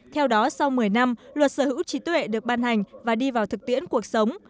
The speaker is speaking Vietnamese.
theo đó sau một mươi năm luật sở hữu trí tuệ được ban hành và đi vào thực tiễn cuộc sống